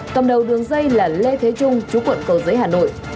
cầm đầu đường dây là lê thế trung chú quận cầu giấy hà nội